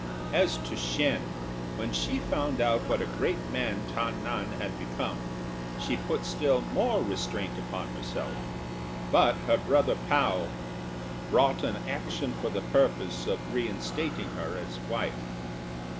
As to Shên when she found what a great man Ta nan had become, she put still more restraint upon herself; but her brother Pao brought an action for the purpose of reinstating her as wife.